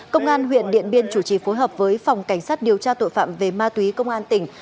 công an huyện điện biên chủ trì phối hợp với phòng cảnh sát điều tra tội phạm về ma túy công an tỉnh